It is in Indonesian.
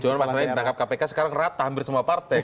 cuma masalahnya menangkap kpk sekarang rata hampir semua partai